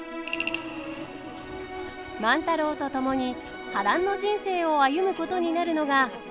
万太郎と共に波乱の人生を歩むことになるのが。